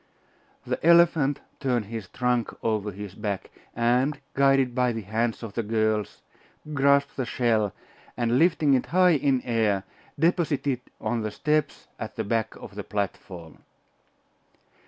The elephant turned his trunk over his back, and, guided by the hands of the girls, grasped the shell, and lifting it high in air, deposited it on the steps at the back of the platform.